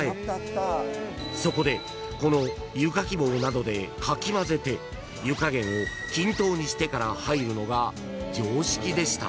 ［そこでこの湯かき棒などでかき混ぜて湯加減を均等にしてから入るのが常識でした］